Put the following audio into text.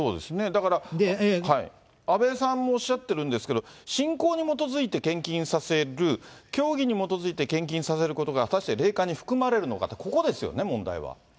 だから阿部さんもおっしゃってるんですけど、信仰に基づいて献金させる、教義に基づいて献金させることが果たして霊感に含まれるのかと、そうですね。